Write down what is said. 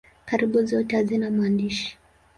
Karibu zote hazina maandishi.